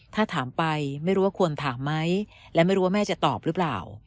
ถ้าถามไปไม่รู้ว่าควรถามไหมและไม่รู้ว่าแม่จะตอบหรือเปล่า